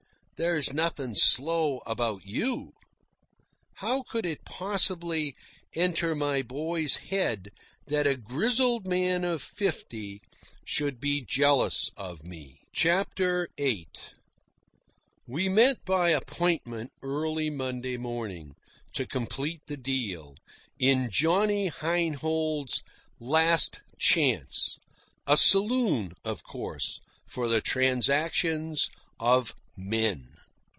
There's nothin' slow about YOU." How could it possibly enter my boy's head that a grizzled man of fifty should be jealous of me? CHAPTER VIII We met by appointment, early Monday morning, to complete the deal, in Johnny Heinhold's "Last Chance " a saloon, of course, for the transactions of men.